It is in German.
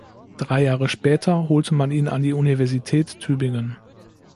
Drei Jahre später holte man ihn an die Universität Tübingen.